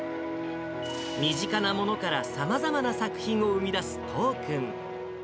身近なものからさまざまな作品を生み出す都央君。